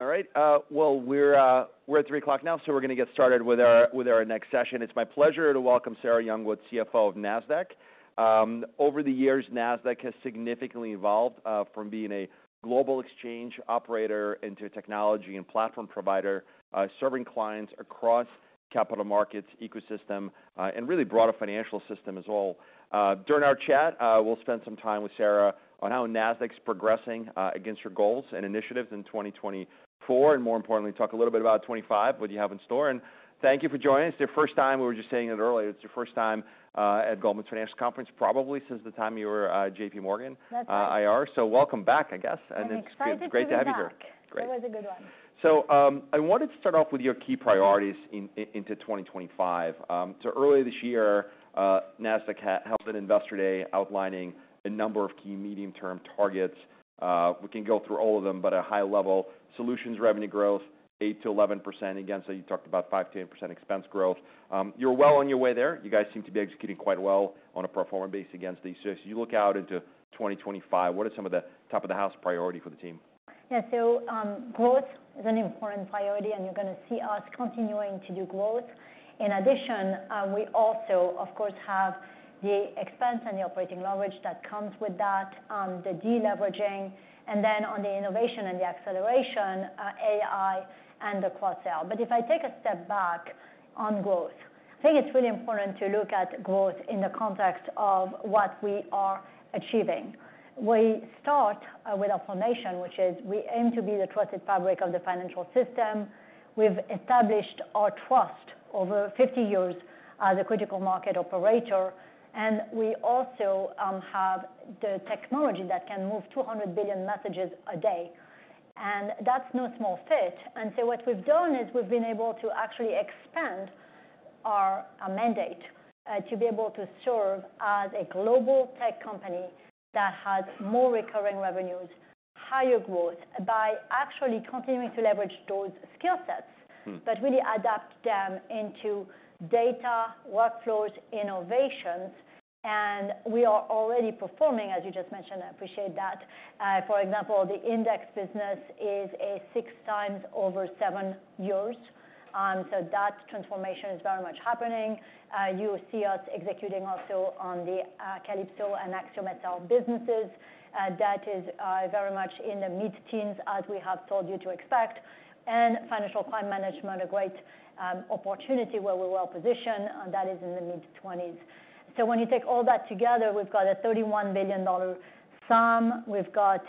All right. We're at 3:00 P.M. now, so we're gonna get started with our next session. It's my pleasure to welcome Sarah Youngwood, CFO of Nasdaq. Over the years, Nasdaq has significantly evolved, from being a global exchange operator into a technology and platform provider, serving clients across capital markets, ecosystem, and really broader financial system as well. During our chat, we'll spend some time with Sarah on how Nasdaq's progressing against your goals and initiatives in 2024, and more importantly, talk a little bit about 2025, what you have in store. And thank you for joining us. It's your first time. We were just saying it earlier. It's your first time at Goldman Financial Conference, probably since the time you were, JPMorgan. That's right. IR, so welcome back, I guess. Excited to be back. It's great to have you here. It was a good one. So, I wanted to start off with your key priorities into 2025. Earlier this year, Nasdaq held an investor day outlining a number of key medium-term targets. We can go through all of them, but at a high level, solutions revenue growth 8%-11% against, you talked about 5%-8% expense growth. You're well on your way there. You guys seem to be executing quite well on a performance base against the, so as you look out into 2025, what are some of the top-of-the-house priorities for the team? Yeah, so growth is an important priority, and you're gonna see us continuing to do growth. In addition, we also, of course, have the expense and the operating leverage that comes with that, the deleveraging, and then on the innovation and the acceleration, AI and the cross-sell. But if I take a step back on growth, I think it's really important to look at growth in the context of what we are achieving. We start with our formation, which is we aim to be the trusted fabric of the financial system. We've established our trust over 50 years as a critical market operator, and we also have the technology that can move 200 billion messages a day, and that's no small feat. What we've done is we've been able to actually expand our mandate to be able to serve as a global tech company that has more recurring revenues, higher growth, by actually continuing to leverage those skill sets. Mm-hmm. But really adapt them into data workflows, innovations, and we are already performing, as you just mentioned. I appreciate that. For example, the index business is a six times over seven years. That transformation is very much happening. You will see us executing also on the Calypso and AxiomSL businesses. That is very much in the mid-teens, as we have told you to expect. And financial crime management, a great opportunity where we're well-positioned, and that is in the mid-20s. When you take all that together, we've got a $31 billion sum. We've got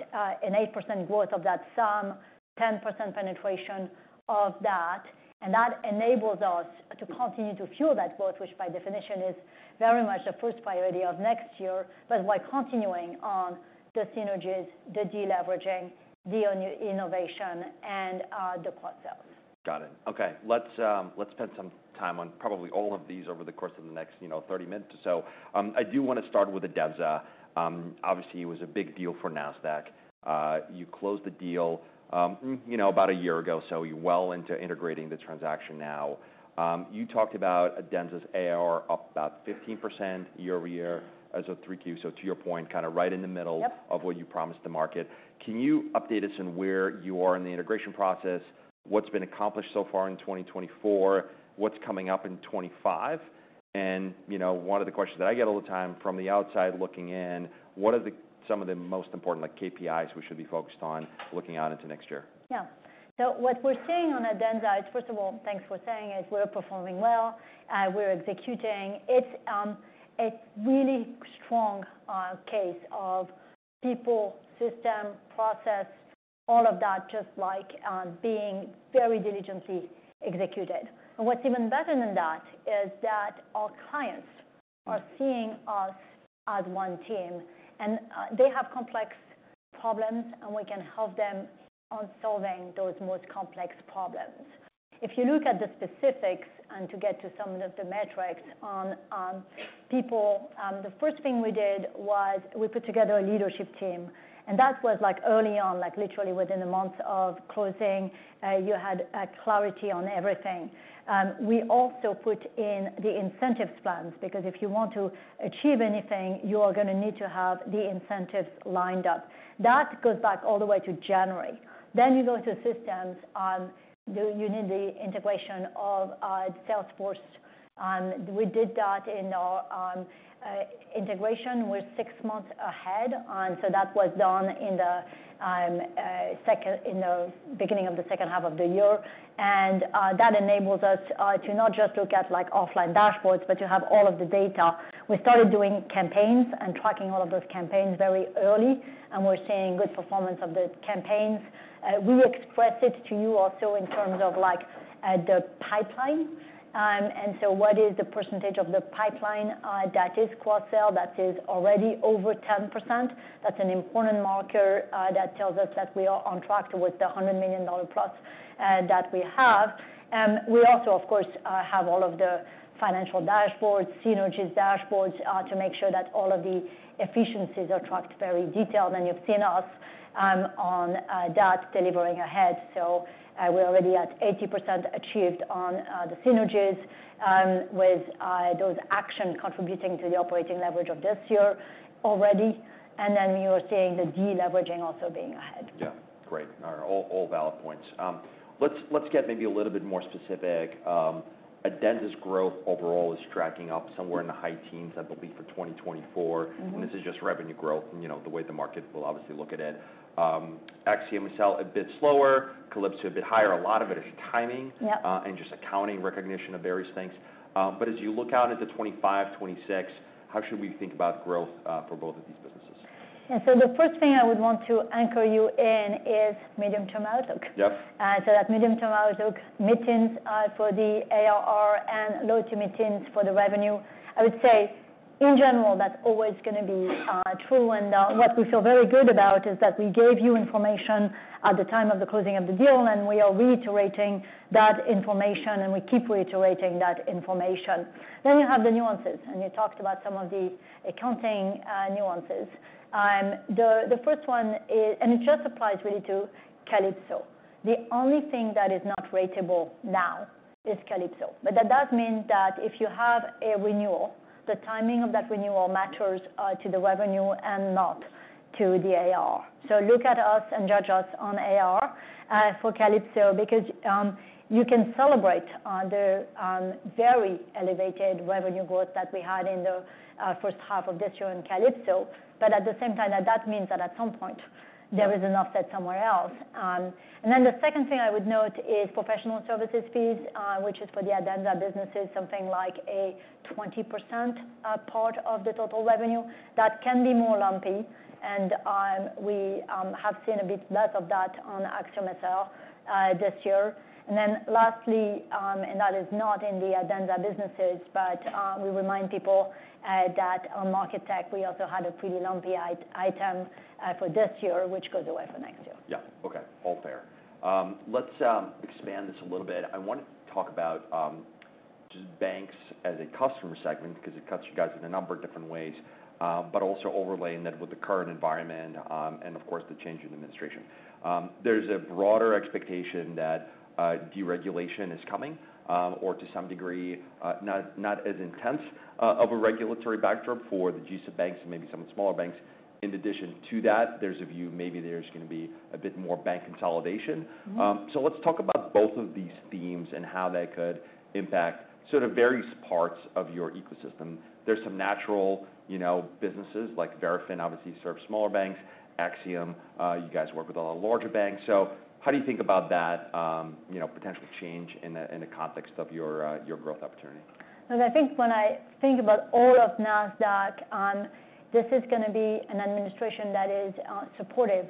an 8% growth of that sum, 10% penetration of that, and that enables us to continue to fuel that growth, which by definition is very much the first priority of next year. That's why continuing on the synergies, the deleveraging, the innovation, and the cross-sales. Got it. Okay. Let's spend some time on probably all of these over the course of the next, you know, 30 minutes or so. I do wanna start with Adenza. Obviously, it was a big deal for Nasdaq. You closed the deal, you know, about a year ago, so you're well into integrating the transaction now. You talked about Adenza's ARR up about 15% year-over-year as a 3Q, so to your point, kind of right in the middle. Yep. Of what you promised the market. Can you update us on where you are in the integration process? What's been accomplished so far in 2024? What's coming up in 2025? And, you know, one of the questions that I get all the time from the outside looking in, what are some of the most important, like, KPIs we should be focused on looking out into next year? Yeah. So what we're seeing on Adenza is, first of all, thanks for saying it, we're performing well. We're executing. It's really strong case of people, system, process, all of that, just like being very diligently executed. And what's even better than that is that our clients are seeing us as one team, and they have complex problems, and we can help them on solving those most complex problems. If you look at the specifics and to get to some of the metrics on people, the first thing we did was we put together a leadership team, and that was, like, early on, like, literally within the month of closing, you had clarity on everything. We also put in the incentives plans because if you want to achieve anything, you are gonna need to have the incentives lined up. That goes back all the way to January. Then you go to systems. You need the integration of Salesforce. We did that in our integration. We're six months ahead, and so that was done in the second, in the beginning of the second half of the year. That enables us to not just look at, like, offline dashboards, but to have all of the data. We started doing campaigns and tracking all of those campaigns very early, and we're seeing good performance of the campaigns. We express it to you also in terms of, like, the pipeline, and so what is the percentage of the pipeline that is cross-sell that is already over 10%? That's an important marker that tells us that we are on track towards the $100 million plus that we have. We also, of course, have all of the financial dashboards, synergies dashboards, to make sure that all of the efficiencies are tracked very detailed, and you've seen us, on, that delivering ahead. So, we're already at 80% achieved on, the synergies, with, those action contributing to the operating leverage of this year already. And then we were seeing the deleveraging also being ahead. Yeah. Great. All valid points. Let's get maybe a little bit more specific. Adenza's growth overall is tracking up somewhere in the high teens, I believe, for 2024. Mm-hmm. This is just revenue growth and, you know, the way the market will obviously look at it. Axiom is selling a bit slower, Calypso a bit higher. A lot of it is timing. Yep. And just accounting recognition of various things. But as you look out into 2025, 2026, how should we think about growth, for both of these businesses? Yeah. So the first thing I would want to anchor you in is medium-term outlook. Yep. So that medium-term outlook, mid-teens for the ARR, and low-to-mid-teens for the revenue. I would say, in general, that's always gonna be true. And what we feel very good about is that we gave you information at the time of the closing of the deal, and we are reiterating that information, and we keep reiterating that information. Then you have the nuances, and you talked about some of the accounting nuances. The first one is, and it just applies really to Calypso. The only thing that is not ratable now is Calypso. But that does mean that if you have a renewal, the timing of that renewal matters to the revenue and not to the AR. So look at us and judge us on ARR for Calypso because you can celebrate the very elevated revenue growth that we had in the first half of this year in Calypso. But at the same time, that means that at some point, there is an offset somewhere else. And then the second thing I would note is professional services fees, which is for the Adenza businesses, something like a 20% part of the total revenue. That can be more lumpy, and we have seen a bit less of that on AxiomSL, this year. And then lastly, and that is not in the Adenza businesses, but we remind people, that on Market Tech, we also had a pretty lumpy item, for this year, which goes away for next year. Yep. Okay. All fair. Let's expand this a little bit. I wanna talk about just banks as a customer segment because it cuts you guys in a number of different ways, but also overlaying that with the current environment, and of course, the change in administration. There's a broader expectation that deregulation is coming, or to some degree, not as intense of a regulatory backdrop for the GC banks and maybe some of the smaller banks. In addition to that, there's a view maybe there's gonna be a bit more bank consolidation. Mm-hmm. So let's talk about both of these themes and how they could impact sort of various parts of your ecosystem. There's some natural, you know, businesses like Verafin, obviously, serve smaller banks. Axiom, you guys work with a lot of larger banks. So how do you think about that, you know, potential change in the context of your growth opportunity? I think when I think about all of Nasdaq, this is gonna be an administration that is supportive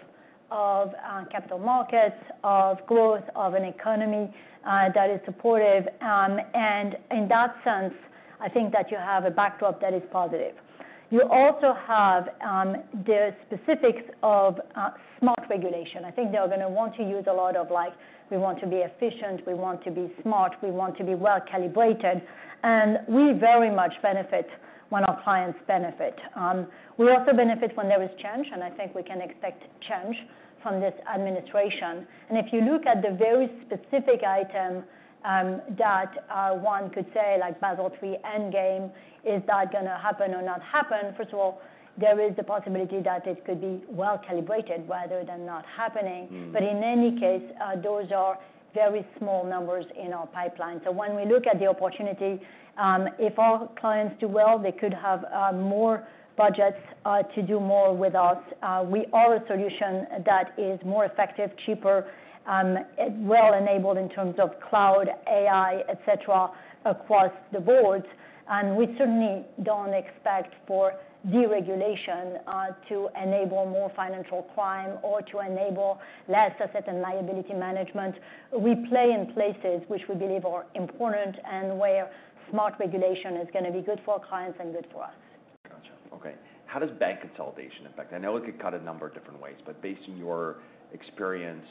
of capital markets, of growth, of an economy that is supportive. And in that sense, I think that you have a backdrop that is positive. You also have the specifics of smart regulation. I think they're gonna want to use a lot of, like, we want to be efficient, we want to be smart, we want to be well-calibrated, and we very much benefit when our clients benefit. We also benefit when there is change, and I think we can expect change from this administration. And if you look at the very specific item that one could say, like, Basel III Endgame, is that gonna happen or not happen? First of all, there is the possibility that it could be well-calibrated rather than not happening. But in any case, those are very small numbers in our pipeline. So when we look at the opportunity, if our clients do well, they could have more budgets to do more with us. We are a solution that is more effective, cheaper, well-enabled in terms of cloud, AI, etc., across the board. And we certainly don't expect for deregulation to enable more financial crime or to enable less asset and liability management. We play in places which we believe are important and where smart regulation is gonna be good for our clients and good for us. Gotcha. Okay. How does bank consolidation affect? I know it could cut a number of different ways, but based on your experience,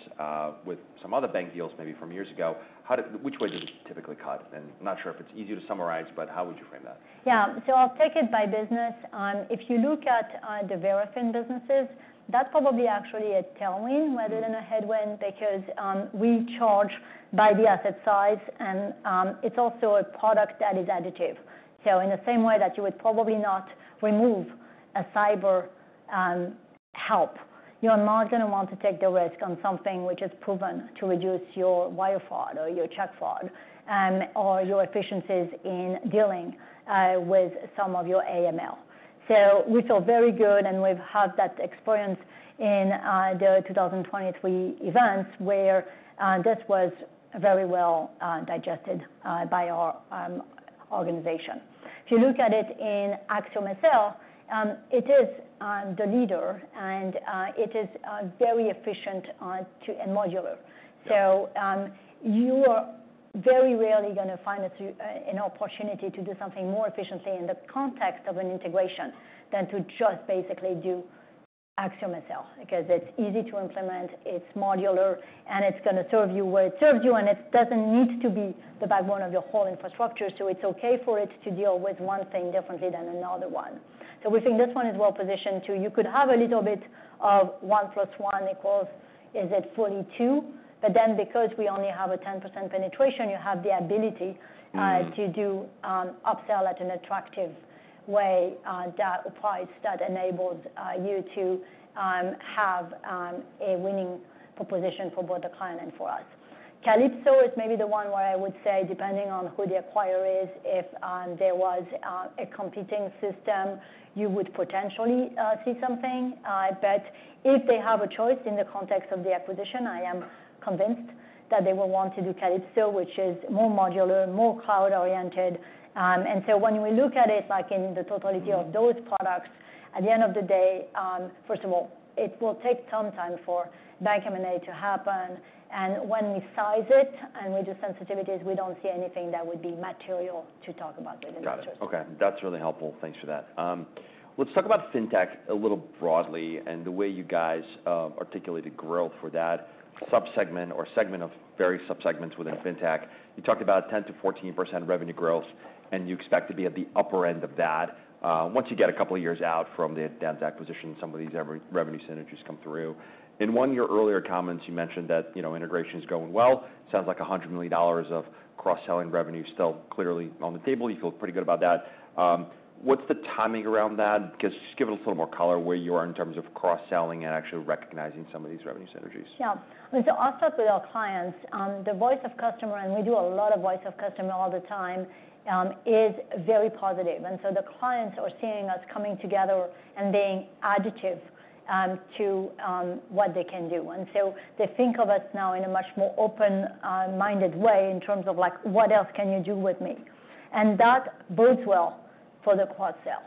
with some other bank deals maybe from years ago, how do which way does it typically cut? And not sure if it's easy to summarize, but how would you frame that? Yeah. So I'll take it by business. If you look at the Verafin businesses, that's probably actually a tailwind rather than a headwind because we charge by the asset size, and it's also a product that is additive. So in the same way that you would probably not remove a cyber help, you're not gonna want to take the risk on something which is proven to reduce your wire fraud or your check fraud, or your efficiencies in dealing with some of your AML. So we feel very good, and we've had that experience in the 2023 events where this was very well digested by our organization. If you look at it in AxiomSL, it is the leader, and it is very efficient to and modular. You are very rarely gonna find a such an opportunity to do something more efficiently in the context of an integration than to just basically do AxiomSL because it's easy to implement, it's modular, and it's gonna serve you where it serves you, and it doesn't need to be the backbone of your whole infrastructure. So it's okay for it to deal with one thing differently than another one. We think this one is well-positioned too. You could have a little bit of one plus one equals, is it fully two? But then because we only have a 10% penetration, you have the ability. Mm-hmm. To do upsell in an attractive way, at that price that enables you to have a winning proposition for both the client and for us. Calypso is maybe the one where I would say, depending on who the acquirer is, if there was a competing system, you would potentially see something. But if they have a choice in the context of the acquisition, I am convinced that they will want to do Calypso, which is more modular, more cloud-oriented. And so when we look at it, like, in the totality of those products, at the end of the day, first of all, it will take some time for bank M&A to happen. And when we size it and we do sensitivities, we don't see anything that would be material to talk about within the. Gotcha. Okay. That's really helpful. Thanks for that. Let's talk about FinTech a little broadly and the way you guys articulated growth for that subsegment or segment of various subsegments within FinTech. You talked about 10%-14% revenue growth, and you expect to be at the upper end of that, once you get a couple of years out from the Adenza acquisition, some of these recurring revenue synergies come through. In one of your earlier comments, you mentioned that, you know, integration is going well. Sounds like $100 million of cross-selling revenue still clearly on the table. You feel pretty good about that. What's the timing around that? Just give it a little more color where you are in terms of cross-selling and actually recognizing some of these revenue synergies. Yeah. So I'll start with our clients. The voice of customer, and we do a lot of voice of customer all the time, is very positive, and so the clients are seeing us coming together and being additive to what they can do, and so they think of us now in a much more open-minded way in terms of, like, what else can you do with me? And that bodes well for the cross-sell.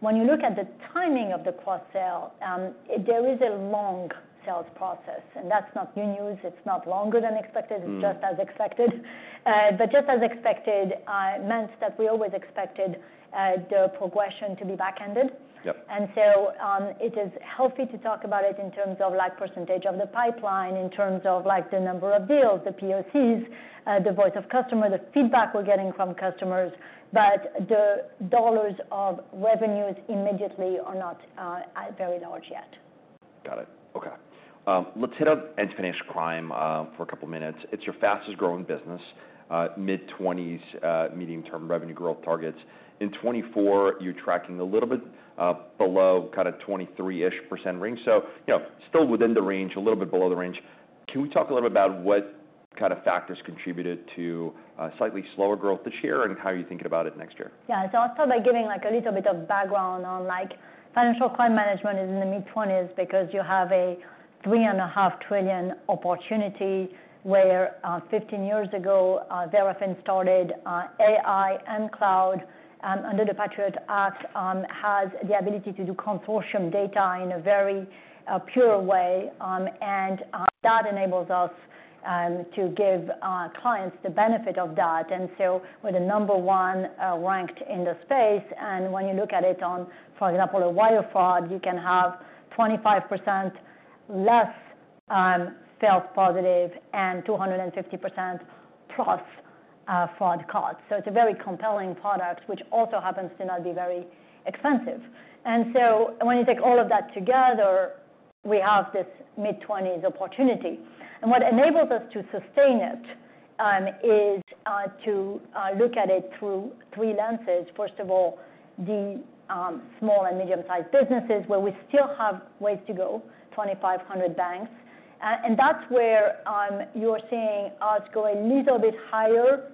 When you look at the timing of the cross-sell, there is a long sales process, and that's not good news. It's not longer than expected. It's just as expected, but just as expected meant that we always expected the progression to be back-ended. Yep. And so, it is healthy to talk about it in terms of, like, percentage of the pipeline, in terms of, like, the number of deals, the POCs, the voice of customer, the feedback we're getting from customers, but the dollars of revenues immediately are not very large yet. Got it. Okay. Let's hit on anti-financial crime, for a couple of minutes. It's your fastest-growing business, mid-20s, medium-term revenue growth targets. In 2024, you're tracking a little bit below kind of 23-ish% rate. So, you know, still within the range, a little bit below the range. Can we talk a little bit about what kind of factors contributed to slightly slower growth this year and how you're thinking about it next year? Yeah, so I'll start by giving, like, a little bit of background on, like, financial crime management is in the mid-20s because you have a $3.5 trillion opportunity where, 15 years ago, Verafin started, AI and cloud, under the Patriot Act, has the ability to do consortium data in a very pure way. And that enables us to give clients the benefit of that. And so we're the number one ranked in the space. And when you look at it on, for example, a wire fraud, you can have 25% less false positives and 250%+ fraud caught. So it's a very compelling product, which also happens to not be very expensive. And so when you take all of that together, we have this mid-20s opportunity. And what enables us to sustain it is to look at it through three lenses. First of all, small and medium-sized businesses where we still have ways to go, 2,500 banks, and that's where you are seeing us go a little bit higher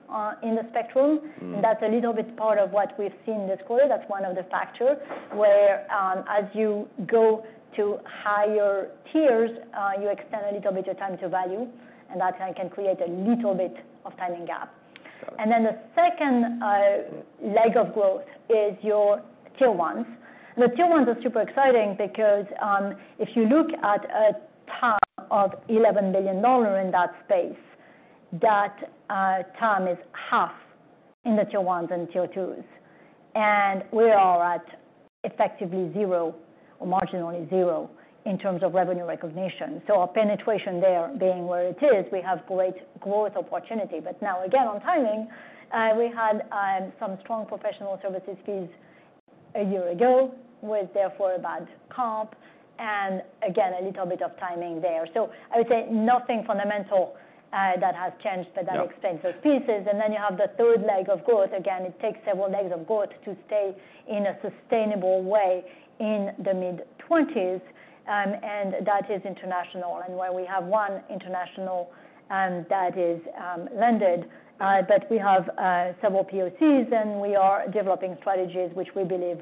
in the spectrum. And that's a little bit part of what we've seen this quarter. That's one of the factors where, as you go to higher tiers, you extend a little bit your time to value, and that can create a little bit of timing gap. And then the second leg of growth is your Tier 1s. The Tier 1s are super exciting because if you look at a TAM of $11 billion in that space, that TAM is half in the Tier 1s and Tier 2s. And we are at effectively zero or marginally zero in terms of revenue recognition. So our penetration there being where it is, we have great growth opportunity. But now, again, on timing, we had some strong professional services fees a year ago with therefore a bad comp and, again, a little bit of timing there. So I would say nothing fundamental that has changed, but that explains those pieces. And then you have the third leg of growth. Again, it takes several legs of growth to stay in a sustainable way in the mid-20s, and that is international. Where we have one international that is landed, but we have several POCs, and we are developing strategies which we believe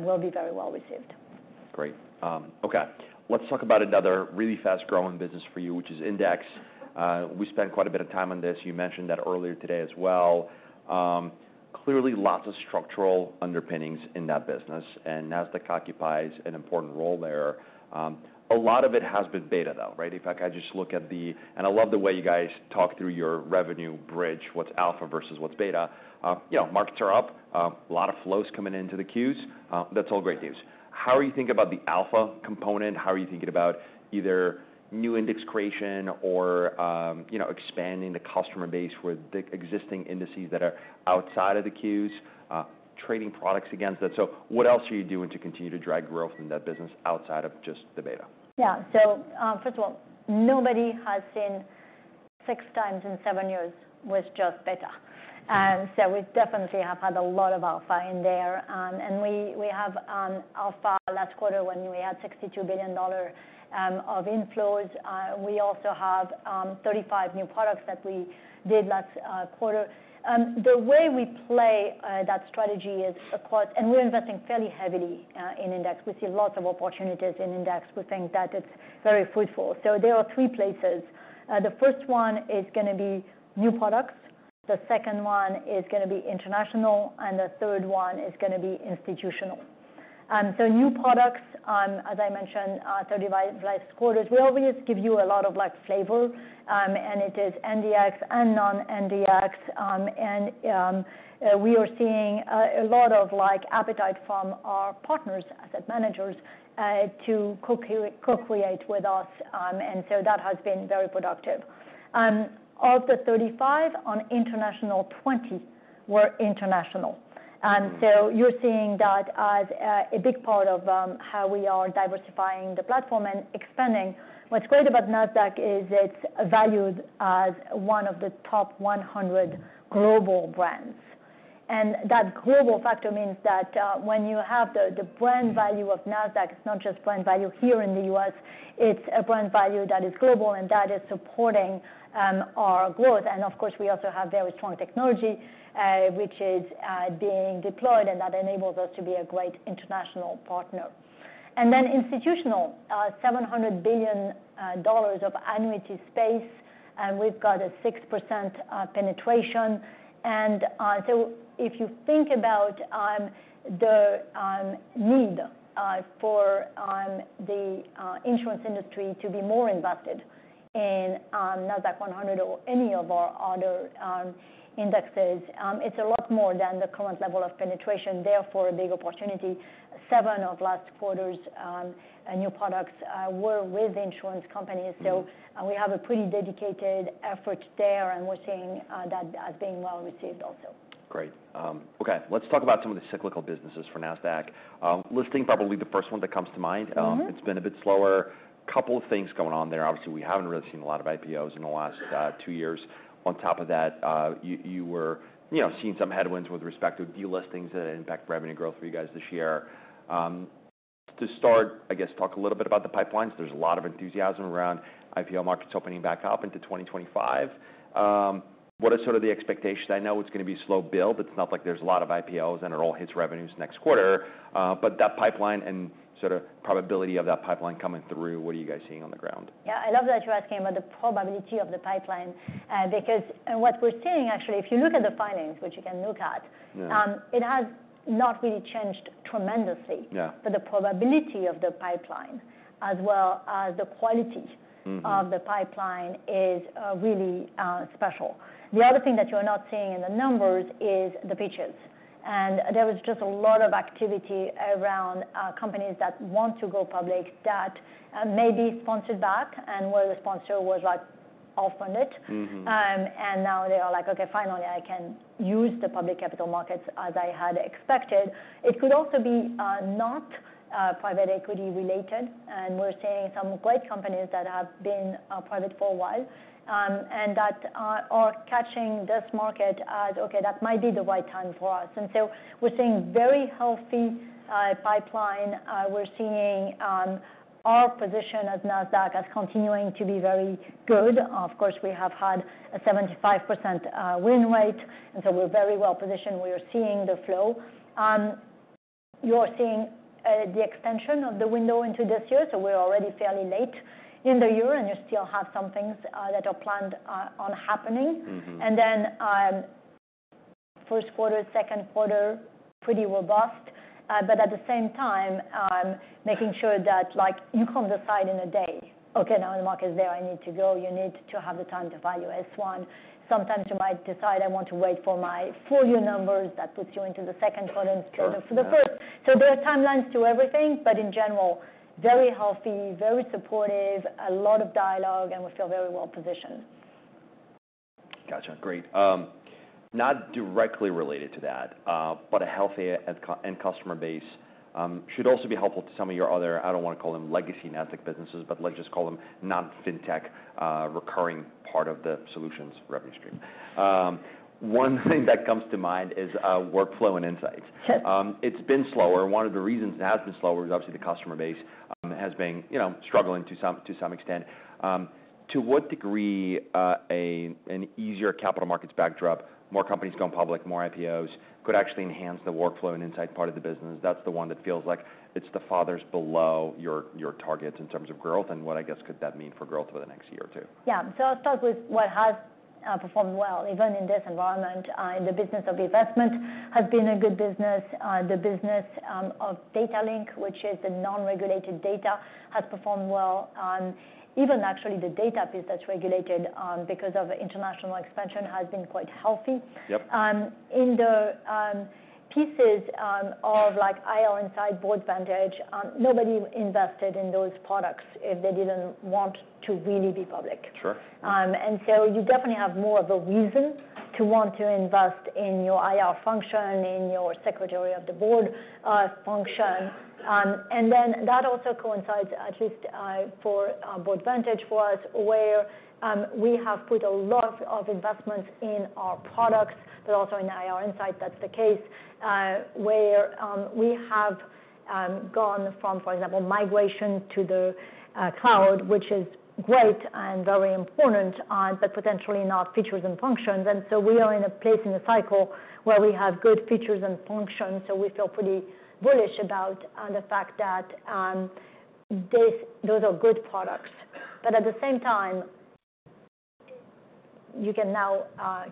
will be very well received. Great. Okay. Let's talk about another really fast-growing business for you, which is index. We spent quite a bit of time on this. You mentioned that earlier today as well. Clearly, lots of structural underpinnings in that business, and Nasdaq occupies an important role there. A lot of it has been beta, though, right? In fact, I just look at the, and I love the way you guys talk through your revenue bridge, what's alpha versus what's beta. You know, markets are up, a lot of flows coming into the Qs. That's all great news. How are you thinking about the alpha component? How are you thinking about either new index creation or, you know, expanding the customer base for the existing indices that are outside of the Qs, trading products against that? So what else are you doing to continue to drag growth in that business outside of just the beta? Yeah. So, first of all, nobody has seen six times in seven years was just beta. So we definitely have had a lot of alpha in there. And we have alpha last quarter when we had $62 billion of inflows. We also have 35 new products that we did last quarter. The way we play that strategy is across, and we're investing fairly heavily in index. We see lots of opportunities in index. We think that it's very fruitful. So there are three places. The first one is gonna be new products. The second one is gonna be international, and the third one is gonna be institutional. So new products, as I mentioned, 35 quarters, we always give you a lot of like flavor, and it is NDX and non-NDX. And we are seeing a lot of like appetite from our partners, asset managers, to co-create with us. And so that has been very productive. Of the 35 on international, 20 were international. So you're seeing that as a big part of how we are diversifying the platform and expanding. What's great about Nasdaq is it's valued as one of the top 100 global brands. And that global factor means that when you have the brand value of Nasdaq, it's not just brand value here in the U.S., it's a brand value that is global, and that is supporting our growth. And of course, we also have very strong technology, which is being deployed, and that enables us to be a great international partner. And then institutional $700 billion of annuity space, and we've got a 6% penetration. If you think about the need for the insurance industry to be more invested in the Nasdaq-100 or any of our other indexes, it's a lot more than the current level of penetration. Therefore, a big opportunity. Seven of last quarter's new products were with insurance companies. We have a pretty dedicated effort there, and we're seeing that as being well-received also. Great. Okay. Let's talk about some of the cyclical businesses for Nasdaq. Listing probably the first one that comes to mind. Mm-hmm. It's been a bit slower. Couple of things going on there. Obviously, we haven't really seen a lot of IPOs in the last two years. On top of that, you were, you know, seeing some headwinds with respect to delistings that impact revenue growth for you guys this year. To start, I guess, talk a little bit about the pipelines. There's a lot of enthusiasm around IPO markets opening back up into 2025. What are sort of the expectations? I know it's gonna be a slow build. It's not like there's a lot of IPOs and it all hits revenues next quarter, but that pipeline and sort of probability of that pipeline coming through, what are you guys seeing on the ground? Yeah. I love that you're asking about the probability of the pipeline, because what we're seeing, actually, if you look at the filings, which you can look at. Mm-hmm. It has not really changed tremendously. Yeah. But the probability of the pipeline, as well as the quality. Mm-hmm. of the pipeline is really special. The other thing that you're not seeing in the numbers is the pitches, and there was just a lot of activity around companies that want to go public that may be sponsor-backed and where the sponsor was like off-market. Mm-hmm. And now they are like, "Okay, finally, I can use the public capital markets as I had expected." It could also be not private equity related. And we're seeing some great companies that have been private for a while, and that are catching this market as, "Okay, that might be the right time for us." And so we're seeing very healthy pipeline. We're seeing our position as Nasdaq as continuing to be very good. Of course, we have had a 75% win rate, and so we're very well positioned. We are seeing the flow. You are seeing the extension of the window into this year. So we're already fairly late in the year, and you still have some things that are planned on happening. Mm-hmm. And then, first quarter, second quarter, pretty robust. But at the same time, making sure that, like, you can't decide in a day, "Okay, now the market's there. I need to go." You need to have the time to value S-1. Sometimes you might decide, "I want to wait for my full year numbers." That puts you into the second quarter instead of the first. Yeah. So there are timelines to everything, but in general, very healthy, very supportive, a lot of dialogue, and we feel very well positioned. Gotcha. Great. Not directly related to that, but a healthy end-customer base should also be helpful to some of your other, I don't wanna call them legacy Nasdaq businesses, but let's just call them non-FinTech, recurring part of the solutions revenue stream. One thing that comes to mind is, workflow and insights. Yes. It's been slower. One of the reasons it has been slower is obviously the customer base has been, you know, struggling to some extent. To what degree an easier capital markets backdrop, more companies going public, more IPOs could actually enhance the workflow and insight part of the business? That's the one that feels like it's rather below your targets in terms of growth. And what, I guess, could that mean for growth over the next year or two? Yeah. So I'll start with what has performed well, even in this environment. The business of eVestment has been a good business. The business of Data Link, which is the non-regulated data, has performed well. Even actually the data piece that's regulated, because of international expansion, has been quite healthy. Yep. in the pieces of like IR Insight, Boardvantage, nobody invested in those products if they didn't want to really be public. Sure. And so you definitely have more of a reason to want to invest in your IR function, in your secretary of the board function. And then that also coincides, at least for Boardvantage for us, where we have put a lot of investments in our products, but also in IR Insight. That's the case where we have gone from, for example, migration to the cloud, which is great and very important, but potentially not features and functions. And so we are in a place in the cycle where we have good features and functions. So we feel pretty bullish about the fact that those are good products. But at the same time, you can now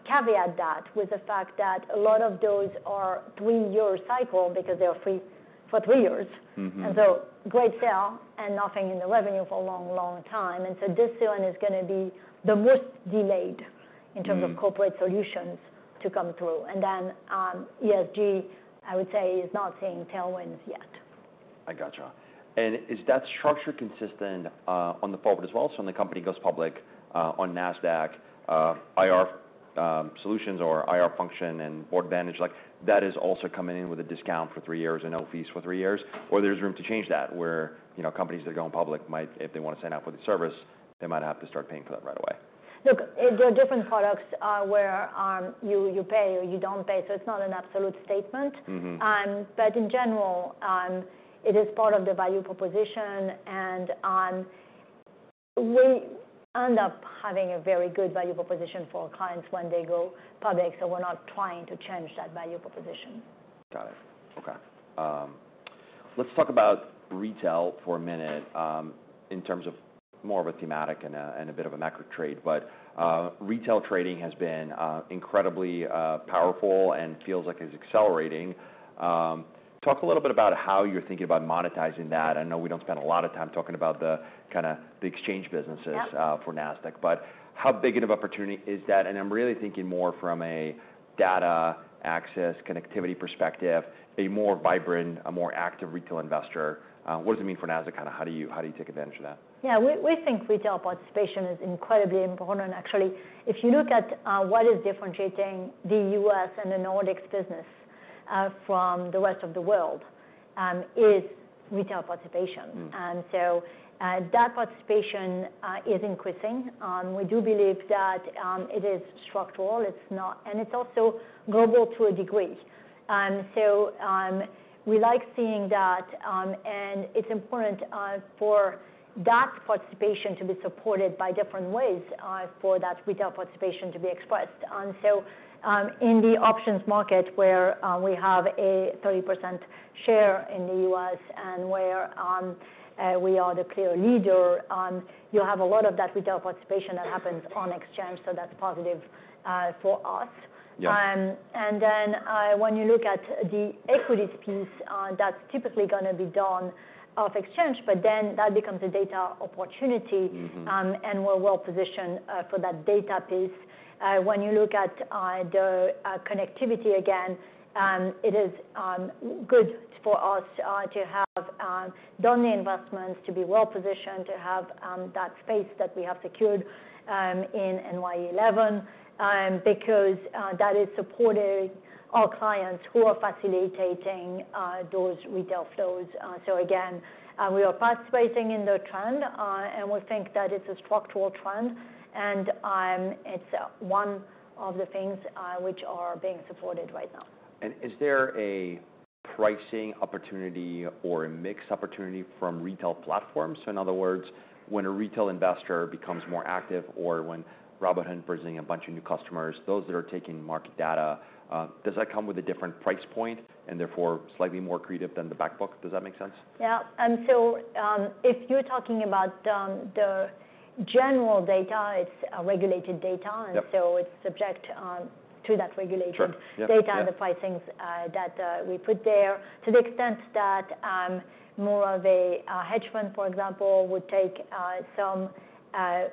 caveat that with the fact that a lot of those are three-year cycle because they are free for three years. Mm-hmm. And so, great sale and nothing in the revenue for a long, long time. And then, ESG, I would say, is not seeing tailwinds yet. I gotcha. And is that structure consistent, on the forward as well? So when the company goes public, on Nasdaq, IR, solutions or IR function and Boardvantage, like, that is also coming in with a discount for three years and no fees for three years, or there's room to change that where, you know, companies that are going public might, if they wanna sign up with the service, they might have to start paying for that right away. Look, there are different products where you pay or you don't pay. So it's not an absolute statement. Mm-hmm. But in general, it is part of the value proposition. And we end up having a very good value proposition for our clients when they go public. So we're not trying to change that value proposition. Got it. Okay. Let's talk about retail for a minute, in terms of more of a thematic and a bit of a macro trade, but retail trading has been incredibly powerful and feels like it's accelerating. Talk a little bit about how you're thinking about monetizing that. I know we don't spend a lot of time talking about the kinda exchange businesses. Yeah. For Nasdaq, but how big of an opportunity is that? And I'm really thinking more from a data access connectivity perspective, a more vibrant, a more active retail investor. What does it mean for Nasdaq? Kinda how do you take advantage of that? Yeah. We think retail participation is incredibly important. Actually, if you look at what is differentiating the U.S. and the Nordics business from the rest of the world, is retail participation. Mm-hmm. So, that participation is increasing. We do believe that it is structural. It's not, and it's also global to a degree. So, we like seeing that, and it's important for that participation to be supported by different ways for that retail participation to be expressed. And so, in the options market where we have a 30% share in the U.S. and where we are the clear leader, you have a lot of that retail participation that happens on exchange. So that's positive for us. Yeah. And then, when you look at the equities piece, that's typically gonna be done off exchange, but then that becomes a data opportunity. Mm-hmm. And we're well positioned for that data piece. When you look at the connectivity again, it is good for us to have done the investments to be well positioned to have that space that we have secured in NY11, because that is supporting our clients who are facilitating those retail flows. So again, we are participating in the trend, and we think that it's a structural trend. And it's one of the things which are being supported right now. Is there a pricing opportunity or a mixed opportunity from retail platforms? In other words, when a retail investor becomes more active or when Robinhood brings in a bunch of new customers, those that are taking market data, does that come with a different price point and therefore slightly more creative than the backbook? Does that make sense? Yeah, so if you're talking about the general data, it's regulated data. Yep. It's subject to that regulation. Sure. Yep. Data and the pricings that we put there to the extent that more of a hedge fund, for example, would take some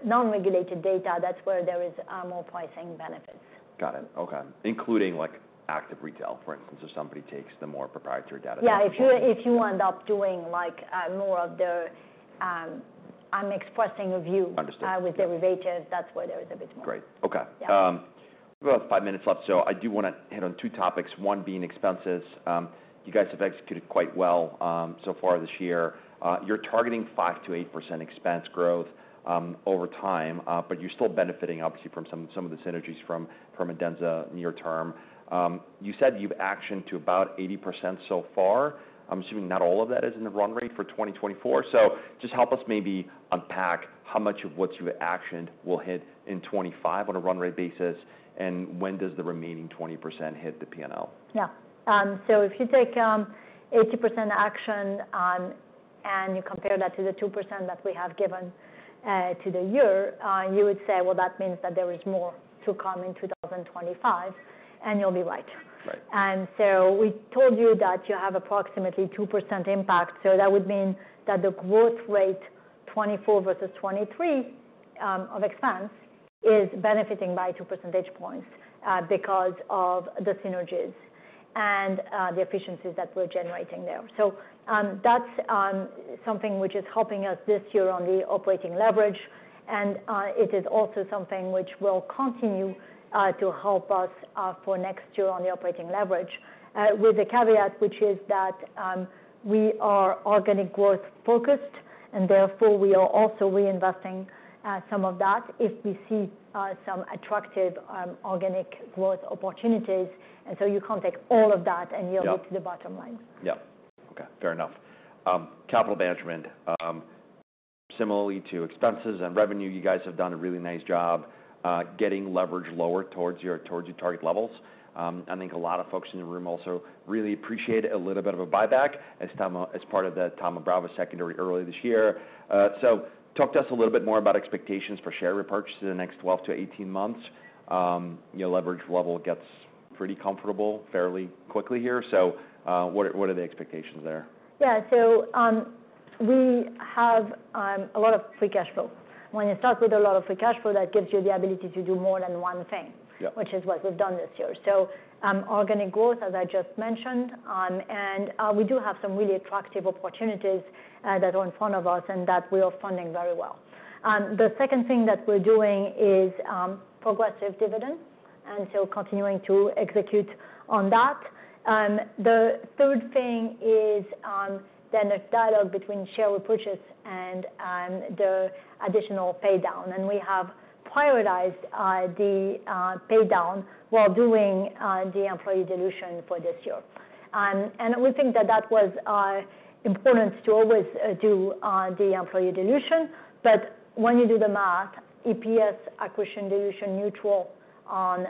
non-regulated data. That's where there is more pricing benefits. Got it. Okay. Including, like, active retail, for instance, if somebody takes the more proprietary data that you have. Yeah. If you end up doing, like, more of the, I'm expressing a view. Understood. with derivatives, that's where there is a bit more. Great. Okay. Yeah. We have about five minutes left. So I do wanna hit on two topics, one being expenses. You guys have executed quite well so far this year. You're targeting 5%-8% expense growth over time, but you're still benefiting, obviously, from some of the synergies from Adenza near term. You said you've actioned about 80% so far. I'm assuming not all of that is in the run rate for 2024. So just help us maybe unpack how much of what you've actioned will hit in 2025 on a run rate basis, and when does the remaining 20% hit the P&L? Yeah, so if you take 80% action and you compare that to the 2% that we have given to the year, you would say, "Well, that means that there is more to come in 2025," and you'll be right. And so we told you that you have approximately 2% impact. So that would mean that the growth rate, 2024 versus 2023, of expense is benefiting by 2 percentage points, because of the synergies and the efficiencies that we're generating there. So that's something which is helping us this year on the operating leverage. And it is also something which will continue to help us for next year on the operating leverage, with the caveat which is that we are organic growth focused, and therefore we are also reinvesting some of that if we see some attractive organic growth opportunities. And so you can't take all of that and you'll be to the bottom line. Yeah. Okay. Fair enough. Capital management, similarly to expenses and revenue, you guys have done a really nice job getting leverage lower towards your target levels. I think a lot of folks in the room also really appreciate a little bit of a buyback as Thoma, as part of the Thoma Bravo secondary early this year. So talk to us a little bit more about expectations for share repurchase in the next 12-18 months. Your leverage level gets pretty comfortable fairly quickly here. So, what are the expectations there? Yeah. We have a lot of free cash flow. When you start with a lot of free cash flow, that gives you the ability to do more than one thing. Yeah. Which is what we've done this year, so organic growth, as I just mentioned, and we do have some really attractive opportunities that are in front of us and that we are funding very well. The second thing that we're doing is progressive dividend, and so continuing to execute on that. The third thing is then a dialogue between share repurchase and the additional pay down, and we have prioritized the pay down while doing the employee dilution for this year, and we think that that was important to always do the employee dilution, but when you do the math, EPS acquisition dilution neutral on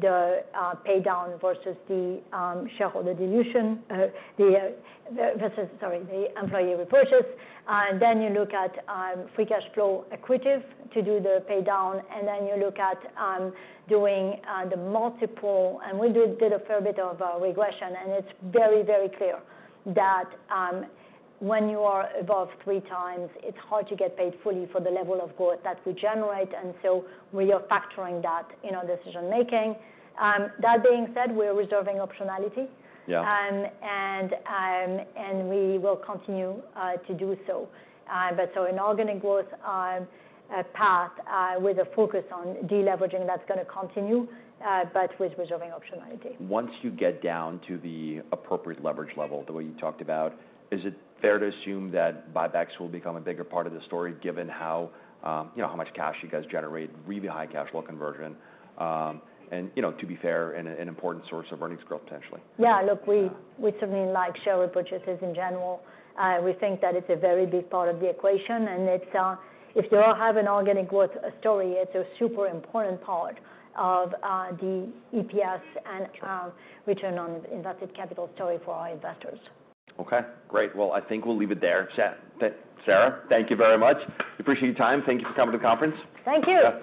the pay down versus the shareholder dilution, the versus, sorry, the employee repurchase, then you look at free cash flow equivalent to do the pay down, and then you look at doing the multiple. And we did a fair bit of regression, and it's very, very clear that when you are above three times, it's hard to get paid fully for the level of growth that we generate. And so we are factoring that in our decision-making. That being said, we are reserving optionality. Yeah. We will continue to do so. But so an organic growth path with a focus on deleveraging that's gonna continue, but with reserving optionality. Once you get down to the appropriate leverage level, the way you talked about, is it fair to assume that buybacks will become a bigger part of the story given how, you know, how much cash you guys generate, really high cash flow conversion, and, you know, to be fair, an, an important source of earnings growth potentially? Yeah. Look, we certainly like share repurchases in general. We think that it's a very big part of the equation, and it's, if you all have an organic growth story, it's a super important part of the EPS and return on invested capital story for our investors. Okay. Great. Well, I think we'll leave it there. Sarah, thank you very much. Appreciate your time. Thank you for coming to the conference. Thank you.